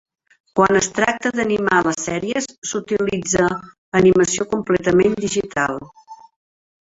Quan es tracta d'animar les sèries, s'utilitza animació completament digital.